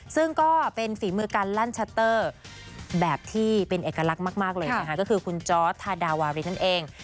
ซึ่งก็เป็นฝีมือการลั่นชัตเตอร์แบบที่เป็นเอกลักษณ์มากเลยนะคะก็คือคุณจอร์ดทาดาวารินนั่นเอง